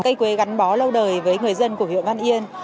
cây quế gắn bó lâu đời với người dân của huyện văn yên